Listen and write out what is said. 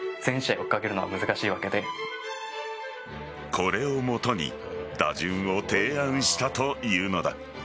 これを基に打順を提案したというのだ。